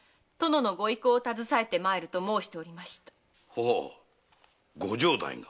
ほうご城代が？